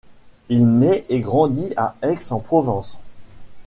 Il naît et grandit à Aix-en-Provence.